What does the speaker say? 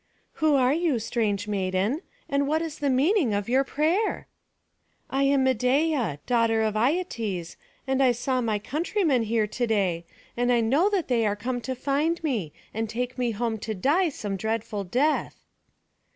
"Who are you, strange maiden? and what is the meaning of your prayer?" "I am Medeia, daughter of Aietes, and I saw my countrymen here to day; and I know that they are come to find me, and take me home to die some dreadful death."